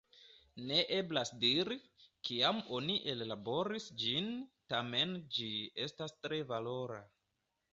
Ne eblas diri, kiam oni ellaboris ĝin, tamen ĝi estas tre valora.